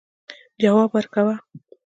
جواب ورکاوه.